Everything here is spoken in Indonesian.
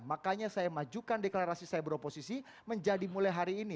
makanya saya majukan deklarasi saya beroposisi menjadi mulai hari ini